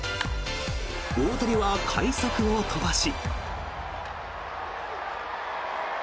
大谷は快足を飛ばし。